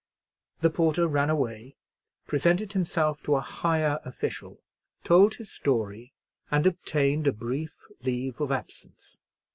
The porter ran away, presented himself to a higher official, told his story, and obtained a brief leave of absence.